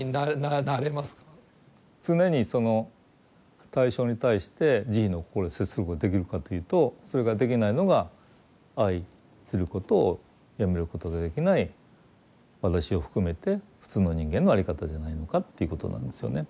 常にその対象に対して慈悲の心で接することができるかというとそれができないのが愛することをやめることができない私を含めて普通の人間の在り方じゃないのかっていうことなんですよね。